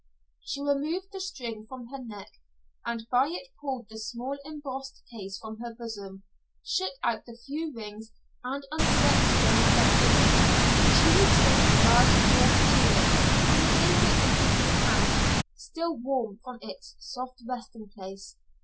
She removed the string from her neck and by it pulled the small embossed case from her bosom, shook out the few rings and unset stones left in it, and returned the larger jewels to it, and gave it into his hand, still warm from its soft resting place.